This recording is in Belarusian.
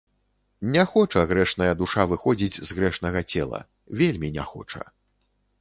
Не хоча грэшная душа выходзіць з грэшнага цела, вельмі не хоча.